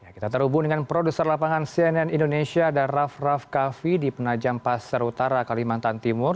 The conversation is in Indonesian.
kita terhubung dengan produser lapangan cnn indonesia dan raff raff kaffi di penajam pasar utara kalimantan timur